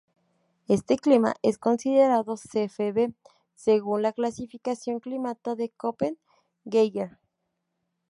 Este clima es considerado Cfb según la clasificación climática de Köppen-Geiger.